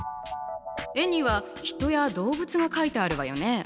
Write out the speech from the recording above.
絵には人や動物が描いてあるわよね。